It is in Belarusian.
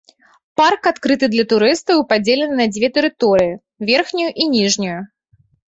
Парк адкрыты для турыстаў і падзелены на дзве тэрыторыі, верхнюю і ніжнюю.